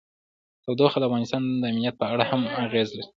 تودوخه د افغانستان د امنیت په اړه هم اغېز لري.